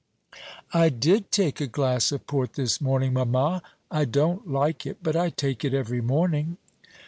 "I did take a glass of port this morning, mamma. I don't like it; but I take it every morning."